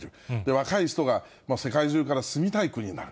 若い人が世界中から住みたい国になる。